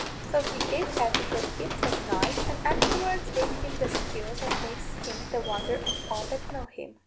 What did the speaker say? So he gave Patrick the gift that night, and afterwards gave him the skill that makes him the wonder of all that know him.